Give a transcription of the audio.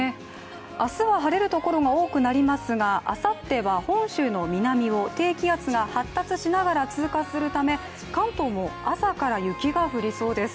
明日は晴れるところが多くなりますがあさっては本州の南を低気圧が発達しながら通過するため関東も朝から雪が降りそうです。